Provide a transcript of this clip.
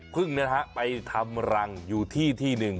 พึ่งไปทำรังอยู่ที่ที่หนึ่ง